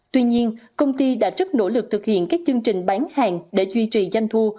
tuy nhiên công ty đã rất nỗ lực thực hiện các chương trình bán hàng để duy trì doanh thu